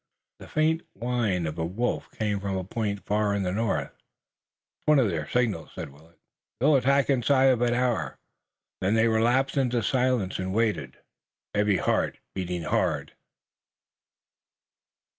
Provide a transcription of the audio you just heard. The faint whine of a wolf came from a point far in the north. "It's one of their signals," said Willet. "They'll attack inside of an hour." Then they relapsed into silence and waited, every heart beating hard.